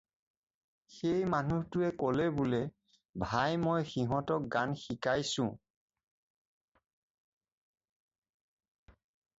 সেই মানুহটোৱে ক'লে বোলে "ভাই মই সিহঁতক গান শিকাইছোঁ।"